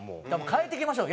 変えていきましょう。